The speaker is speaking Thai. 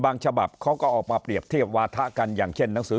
ฉบับเขาก็ออกมาเปรียบเทียบวาถะกันอย่างเช่นหนังสือ